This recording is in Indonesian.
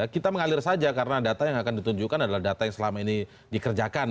kita mengalir saja karena data yang akan ditunjukkan adalah data yang selama ini dikerjakan